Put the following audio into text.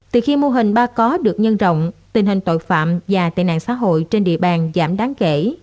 từ khi mô hình ba có được nhân rộng tình hình tội phạm và tệ nạn xã hội trên địa bàn giảm đáng kể